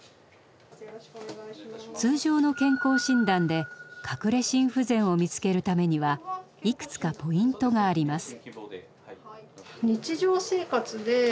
通常の健康診断で「隠れ心不全」を見つけるためにはいくつかポイントがあります。